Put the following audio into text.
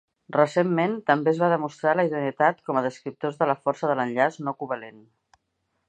Recentment, també es va demostrar la idoneïtat com a descriptors de la força de l'enllaç no covalent.